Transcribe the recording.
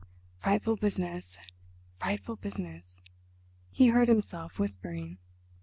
"Frightful business, frightful business," he heard himself whispering.